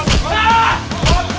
di sini om